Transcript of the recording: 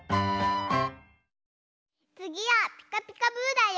つぎは「ピカピカブ！」だよ。